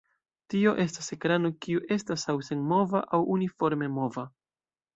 Tio estas ekrano kiu estas aŭ senmova aŭ uniforme mova.